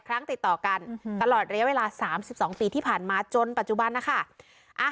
ครั้งติดต่อกันตลอดระยะเวลา๓๒ปีที่ผ่านมาจนปัจจุบันนะคะ